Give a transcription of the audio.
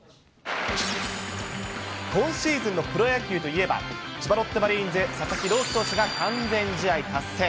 今シーズンのプロ野球といえば、千葉ロッテマリーンズ、佐々木朗希投手が完全試合達成。